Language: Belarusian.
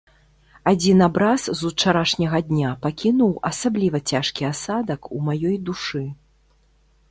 Адзін абраз з учарашняга дня пакінуў асабліва цяжкі асадак у маёй душы.